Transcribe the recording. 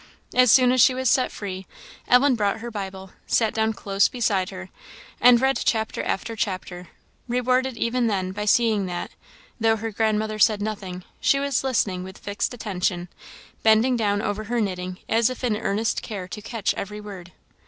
As soon as she was set free, Ellen brought her Bible, sat down close beside her, and read chapter after chapter; rewarded even then by seeing that, though her grandmother said nothing, she was listening with fixed attention, bending down over her knitting as if in earnest care to catch every word.